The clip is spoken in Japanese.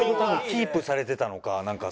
キープされてたのかなんか